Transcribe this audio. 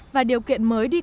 và điều kiện mới đi kết